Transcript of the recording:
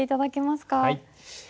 はい。